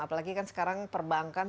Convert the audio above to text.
apalagi kan sekarang perbankan